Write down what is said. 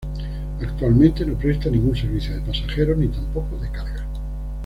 Actualmente, no presta ningún servicio de pasajeros ni tampoco de cargas.